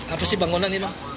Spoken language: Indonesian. apa sih bangunan ini